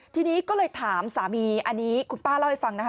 ทีนี้ก็เลยถามสามีอันนี้คุณป้าเล่าให้ฟังนะคะ